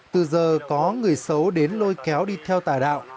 từ giờ có người xấu đến lôi kéo đi theo tà đạo